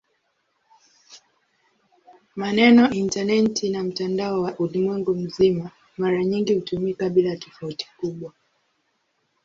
Maneno "intaneti" na "mtandao wa ulimwengu mzima" mara nyingi hutumika bila tofauti kubwa.